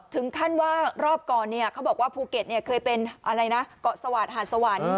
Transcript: ถึงห้าว่ารอบก่อนพูเก็ตเคยเป็นเกาะสวรรค์หารศวรรค์